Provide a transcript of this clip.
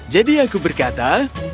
jadi aku berkata